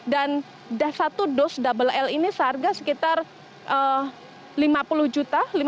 dan satu dos double l ini seharga sekitar lima puluh juta